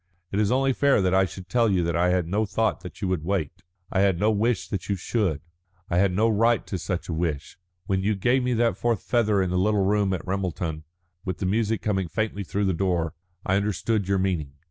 "It is only fair that I should tell you I had no thought that you would wait. I had no wish that you should; I had no right to such a wish. When you gave me that fourth feather in the little room at Ramelton, with the music coming faintly through the door, I understood your meaning.